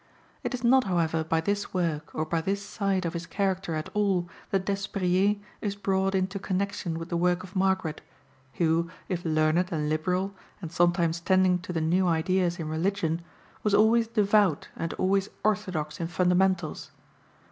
It is not, however, by this work or by this side of his character at all that Despériers is brought into connection with the work of Margaret, who, if learned and liberal, and sometimes tending to the new ideas in religion, was always devout and always orthodox in fundamentals.